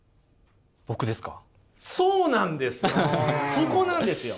そこなんですよ！